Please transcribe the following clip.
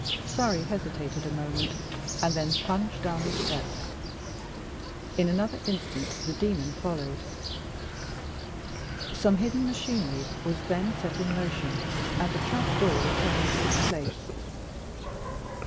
Surrey hesitated a moment, and then plunged down the steps. In another instant the demon followed. Some hidden machinery was then set in motion, and the trap door returned to its place.